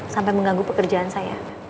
sampai mengganggu pekerjaan saya